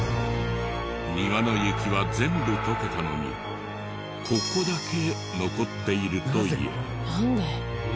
庭の雪は全部溶けたのにここだけ残っているという。